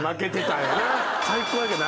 最高やけど。